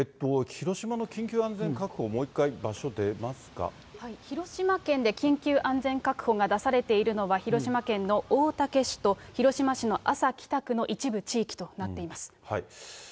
広島の緊急安全確保、広島県で緊急安全確保が出されているのは、広島県の大竹市と広島市の安佐北区の一部地域となっています。